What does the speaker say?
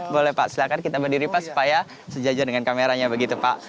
boleh pak silakan kita berdiri pak supaya sejajar dengan kameranya begitu pak